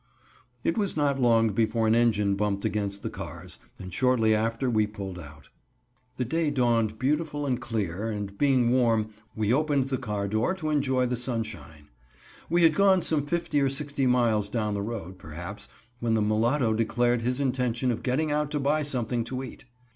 It was not long before an engine bumped against the cars, and shortly after we pulled out. The day dawned beautiful and clear, and being warm, we opened the car door to enjoy the sunshine. We had gone some fifty or sixty miles down the road, perhaps, when the mulatto declared his intention of getting out to buy something to eat.